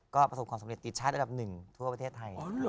ก็ประสบความสำเร็จติดชาติอันดับหนึ่งทั่วประเทศไทย